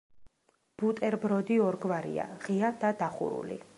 ბუტერბროდი ორგვარია: ღია და დახურული.